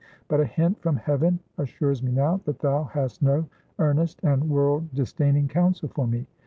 But a hint from heaven assures me now, that thou hast no earnest and world disdaining counsel for me.